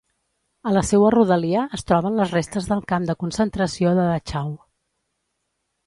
A la seua rodalia es troben les restes del camp de concentració de Dachau.